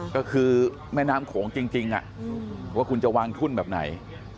ก็คือแม่น้ำโขงจริงว่าคุณจะวางทุ่นแบบไหน